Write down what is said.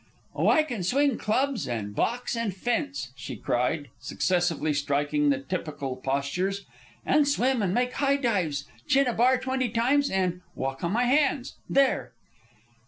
"Oh, I can swing clubs, and box, and fence," she cried, successively striking the typical postures; "and swim, and make high dives, chin a bar twenty times, and and walk on my hands. There!"